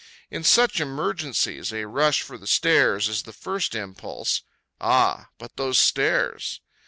In such emergencies a rush for the stairs is the first impulse. Ah! but those stairs!